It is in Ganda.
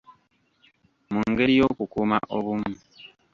Mu ngeri y'okukuuma obumu.